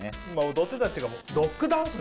踊ってたっていうか。